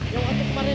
yang aku kemarin